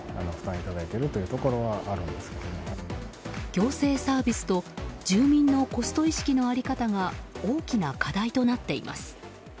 行政サービスと住民のコスト意識の在り方が大きな課題となっています。